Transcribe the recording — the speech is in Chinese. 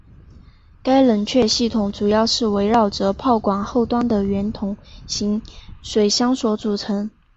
该冷却系统主要是围绕着炮管后端的圆筒形水箱所组成。